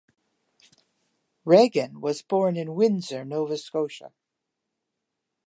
Regan was born in Windsor, Nova Scotia.